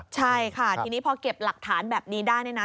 ใช่ค่ะทีนี้พอเก็บหลักฐานแบบนี้ได้เนี่ยนะ